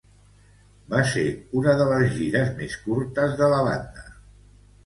Va ser una de les gires més curtes de la banda.